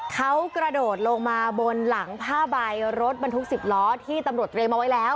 เขากระโดดลงมาบนหลังผ้าใบรถบรรทุก๑๐ล้อที่ตำรวจเตรียมเอาไว้แล้ว